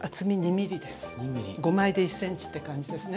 ５枚で１ｃｍって感じですね。